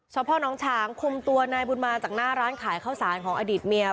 พ่อน้องฉางคุมตัวนายบุญมาจากหน้าร้านขายข้าวสารของอดีตเมีย